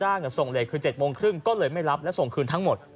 ส่งเลสคือ๗โมงครึ่งก็เลยไม่รับและส่งคืนทั้งหมด